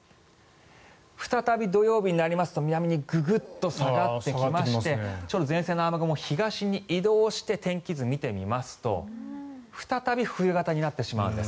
再び土曜日になりますと南にググッと下がってきましてちょうど前線の雨雲が東に移動して天気図を見てみますと再び冬型になってしまうんです。